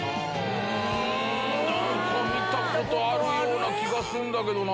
うん⁉見たことあるような気がするんだけどな。